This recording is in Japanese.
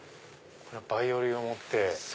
バイオリンを持って。